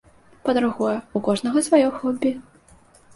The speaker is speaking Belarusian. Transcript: Па-другое, у кожнага сваё хобі.